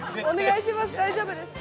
大丈夫です。